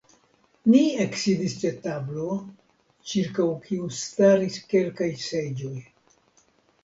Ni eksidis ĉe tablo, ĉirkaŭ kiu staris kelkaj seĝoj.